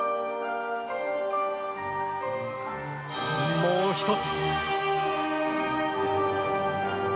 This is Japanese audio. もう一つ。